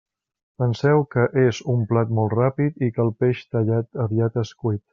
Penseu que és un plat molt ràpid i que el peix tallat aviat és cuit.